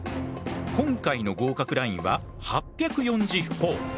今回の合格ラインは８４０ほぉ。